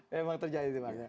memang terjadi itu maksudnya